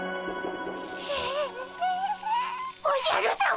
おじゃるさま。